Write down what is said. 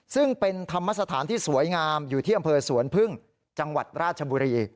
ซึ่งเป็นธรรมสถานที่สวยงามอยู่ที่อำเภอสวนพึ่งจังหวัดราชบุรี